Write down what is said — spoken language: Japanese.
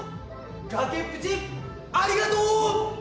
崖っぷちありがとう！